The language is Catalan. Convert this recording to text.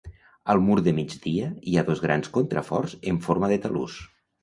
Al mur de migdia hi ha dos grans contraforts en forma de talús.